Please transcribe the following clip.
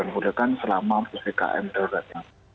dua budakan selama ppkm darurat